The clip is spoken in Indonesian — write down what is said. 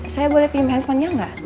saya boleh pilih handphonenya gak